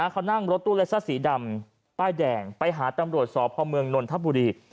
เขานั่งรถตู้เล็กซ่าสีดำป้ายแดงไปหาตำรวจสพเมืองนนทบุรี